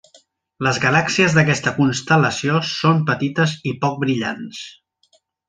Les galàxies d'aquesta constel·lació són petites i poc brillants.